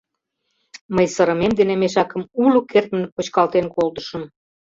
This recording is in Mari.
Мый сырымем дене мешакым уло кертмын почкалтен колтышым.